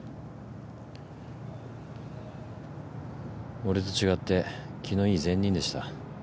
俺と違って気のいい善人でした。